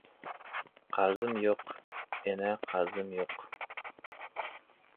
— Qarzim yo‘q, ena, qarzim yo‘q.